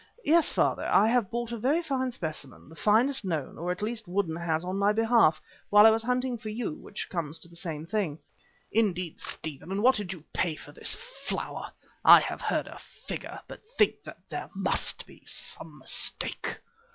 Yes, father, I have bought a very fine specimen, the finest known, or at least Woodden has on my behalf, while I was hunting for you, which comes to the same thing." "Indeed, Stephen, and what did you pay for this flower? I have heard a figure, but think that there must be some mistake."